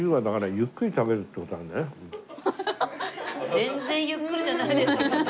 全然ゆっくりじゃないですけどね。